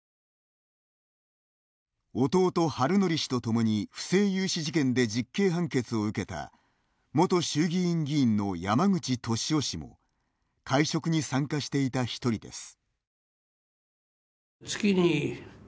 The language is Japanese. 弟・治則氏とともに不正融資事件で実刑判決を受けた元衆議院議員の山口敏夫氏も会食に参加していた１人です。